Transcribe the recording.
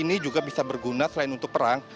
ini juga bisa berguna selain untuk perang